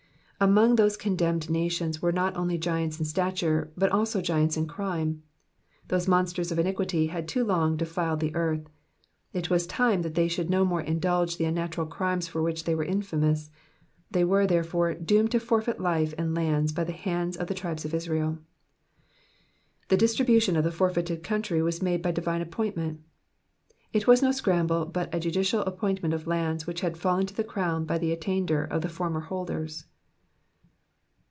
Among those condemned nations were not only giants in stature, but also giants in crime : those monsters of iniquity had too long defiled the earth ; it was time that they should no more indulge the unnatural crimes for which they were infamous ; they were, there fore, doomed to forfeit life and lands by the hands of the tribes of Israel. The distribution of the forfeited country was made by divine appointment ; it was no scramble, but a judicial appointment of lands which had fallen to the crown by the attainder of the former holders.